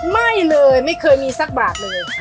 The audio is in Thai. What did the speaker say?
ไม่เลยไม่เคยมีสักบาทเลย